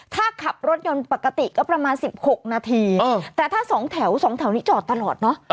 ถ้าขับรถยนต์ปกติก็ประมาณ๑๖นาทีแต่ถ้าสองแถวสองแถวนี้จอดตลอดเนอะ